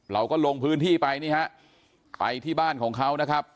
เราก็ลงพื้นที่ไปนี่ฮะไปที่บ้านของเขานะครับ